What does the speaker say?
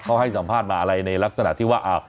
เขาให้สัมภาษณ์มาอะไรในลักษณะที่ว่า